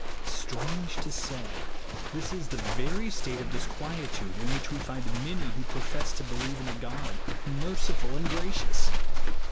Strange to say, this is the very state of disquietude in which we find many who profess to beheve in a God " merciful and gracious